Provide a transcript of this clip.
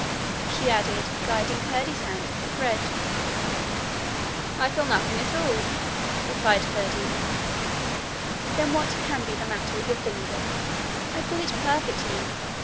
she added, guiding Curdie's hand to the thread, 'you feel it yourself don't you?' 'I feel nothing at all,' replied Curdie. 'Then what can be the matter with your finger? I feel it perfectly.